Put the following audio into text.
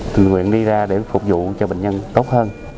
từ nguyện đi ra để phục vụ cho bệnh nhân tốt hơn